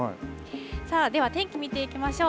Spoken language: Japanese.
さあ、では天気見ていきましょう。